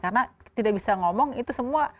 karena tidak bisa ngomong itu semua pendapatan